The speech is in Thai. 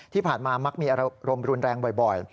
ที่ผ่านมามักมีอารมณ์รุนแรงบ่อย